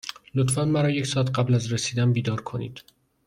لطفا مرا یک ساعت قبل از رسیدن بیدار کنید.